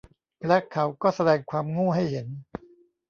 และเขาก็แสดงความโง่ให้เห็น